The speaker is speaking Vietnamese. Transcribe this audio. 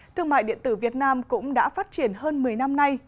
thương mại điện tử việt nam cũng đã phát triển hơn một mươi năm nay